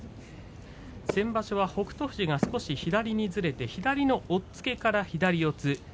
先場所は北勝富士が少し左にずれて左の押っつけから左四つ。